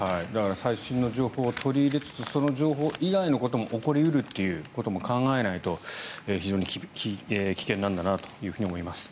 最新の情報を取り入れつつその情報以外のことも起こり得るということも考えないと非常に危険なんだなと思います。